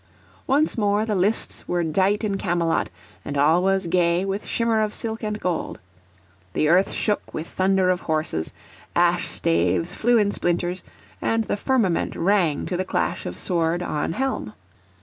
Once more the lists were dight in Camelot, and all was gay with shimmer of silk and gold; the earth shook with thunder of horses, ash staves flew in splinters; and the firmament rang to the clash of sword on helm.